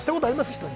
人に。